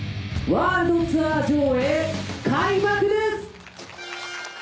ワールドツアー上映開幕です！